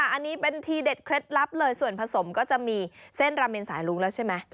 อันนี้เป็นทีเด็ดเคล็ดลับเลยส่วนผสมก็จะมีเส้นราเมนสายรุ้งแล้วใช่ไหม